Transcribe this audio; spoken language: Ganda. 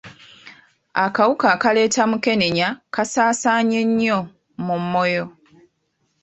Akawuka akaleeta mukenenya kasaasaanye nnyo mu Moyo.